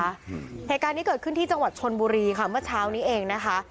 อืมเหตุการณ์นี้เกิดขึ้นที่จังหวัดชนบุรีค่ะเมื่อเช้านี้เองนะคะ